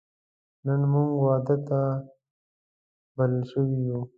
نن موږ واده ته بلل شوی یو